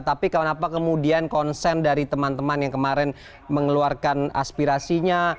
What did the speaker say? tapi kenapa kemudian konsen dari teman teman yang kemarin mengeluarkan aspirasinya